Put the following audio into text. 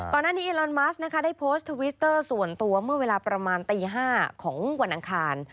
ก่อนหน้านี้อีลอนมัสนะคะได้โพสต์ทวิตเตอร์ส่วนตัวเมื่อเวลาประมาณตี๕ของวันอังคาร